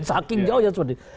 saking jauh ya seperti